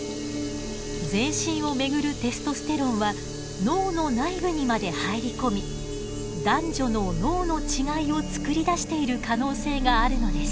全身を巡るテストステロンは脳の内部にまで入り込み男女の脳の違いを作り出している可能性があるのです。